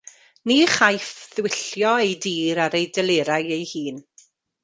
Ni chaiff ddiwyllio ei dir ar ei delerau ei hun.